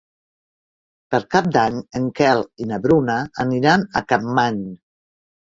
Per Cap d'Any en Quel i na Bruna aniran a Capmany.